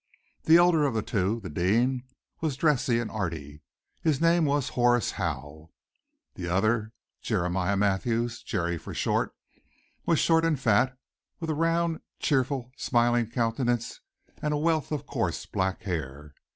The elder of the two, the "dean," was dressy and art y; his name was Horace Howe. The other, Jeremiah Mathews, Jerry for short, was short and fat, with a round, cheerful, smiling countenance and a wealth of coarse black hair.